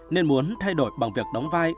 nên muốn thay đổi bằng việc đóng vai